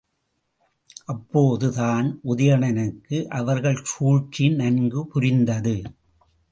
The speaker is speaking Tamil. அப்போது தான் உதயணனுக்கு அவர்கள் சூழ்ச்சி நன்கு புரிந்தது.